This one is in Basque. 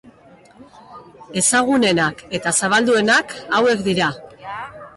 Ezagunenak eta zabalduenak hauek dira.